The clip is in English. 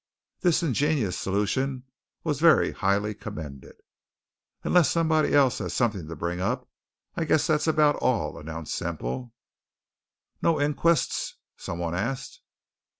This ingenious solution was very highly commended. "Unless somebody else has something to bring up, I guess that's about all," announced Semple. "No inquests?" some one asked.